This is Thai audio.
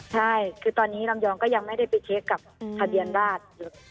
ใช่คือตอนนี้ลำยองก็ยังไม่ได้ไปเช็คกับทะเบียนราช